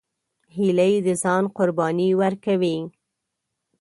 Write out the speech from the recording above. هیلۍ د ځان قرباني ورکوي